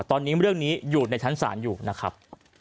ตอนนี้เรื่องนี้อยู่ในชั้นศาลอยู่นะครับ